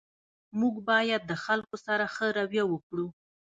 موږ باید د خلګو سره ښه رویه وکړو